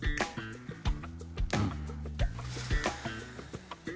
うん。